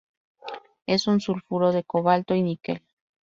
Es un sulfuro de cobalto y níquel.